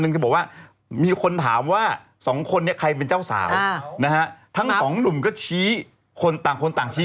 นี่ไงบอกแล้วอาจจะถามว่าใครเป็นเจ้าสาวครับอ๋อไม่เป็นไร